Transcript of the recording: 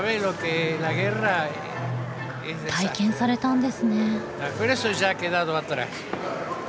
体験されたんですね。